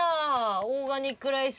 オーガニックライス。